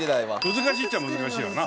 難しいっちゃ難しいよな。